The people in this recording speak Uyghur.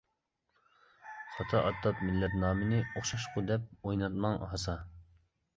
خاتا ئاتاپ مىللەت نامىنى، ئوخشاشقۇ دەپ ئويناتماڭ ھاسا.